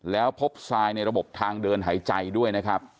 แล้วพบทรายในระบบทางเดินหายใจด้วยนะครับ